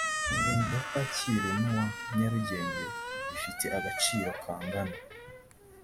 murenge wa kacyiru n uwa nyarugenge bifite agaciro kangana na